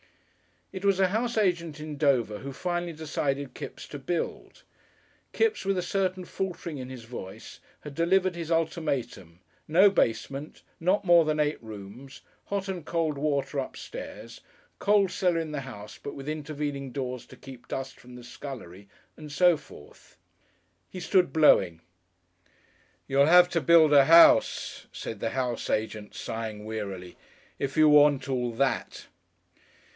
It was a house agent in Dover who finally decided Kipps to build. Kipps, with a certain faltering in his voice, had delivered his ultimatum, no basement, not more than eight rooms, hot and cold water upstairs, coal cellar in the house but with intervening doors to keep dust from the scullery and so forth. He stood blowing. "You'll have to build a house," said the house agent, sighing wearily, "if you want all that."